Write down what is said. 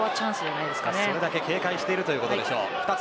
それだけ警戒しているということでしょう。